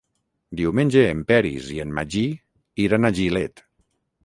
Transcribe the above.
Diumenge en Peris i en Magí iran a Gilet.